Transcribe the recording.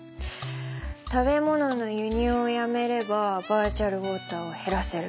食べ物の輸入をやめればバーチャルウォーターはへらせる。